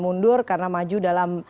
mundur karena maju dalam